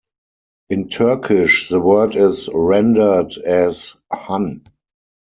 In Turkish the word is rendered as "han".